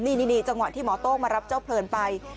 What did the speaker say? นี่จังหวะที่หมอโต้งมารับเจ้าเพลินไป